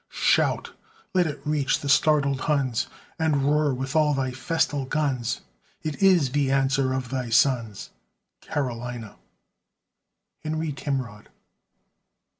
Shout! Let it reach the startled Huns! And roar with all thy festal guns! It is the answer of thy sons, Carolina! HENRY TIMROD.